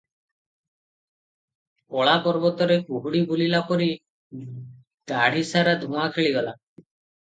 କଳା ପର୍ବତରେ କୁହୁଡ଼ି ବୁଲିଲା ପରି ଦାଢ଼ିସାରା ଧୁଆଁ ଖେଳିଗଲା ।